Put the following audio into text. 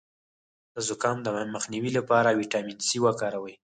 د زکام د مخنیوي لپاره ویټامین سي وکاروئ